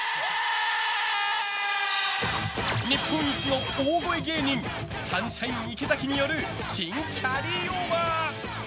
日本一の大声芸人サンシャイン池崎による新キャリーオーバー。